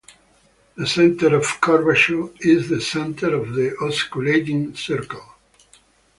The center of curvature is the center of the osculating circle.